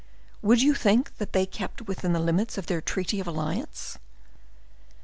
Would you think that they kept within the limits of their treaty of alliance?"